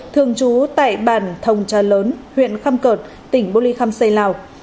thường trú tại bản thồng trà lớn huyện khăm cợt tỉnh bô ly khăm xây lào